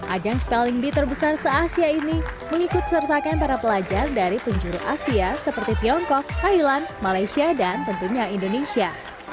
ajang spelling bee terbesar se asia ini mengikut sertakan para pelajar dari penjuru asia seperti tiongkok thailand malaysia dan tentunya indonesia